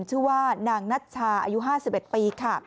ชื่อว่านางนัชชาอายุ๕๑ปีค่ะ